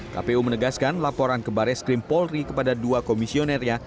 kpu menegaskan laporan ke baris krim polri kepada dua komisionernya